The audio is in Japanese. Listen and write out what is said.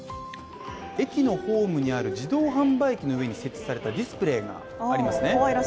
駅のホームにある自動販売機の上に設置されたディスプレイがありますね